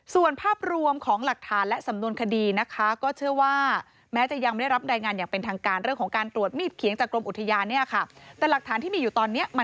ส่วนภาพรวมของหลักฐานและสำนวนคดีนะคะก็เชื่อว่า